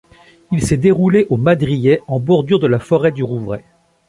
Il s'est déroulé au Madrillet, en bordure de la forêt du Rouvray.